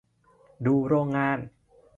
ดูโรงงาน